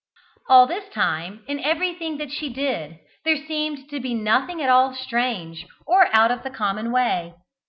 All this time, in everything that she did, there seemed to be nothing at all strange, or out of the common way.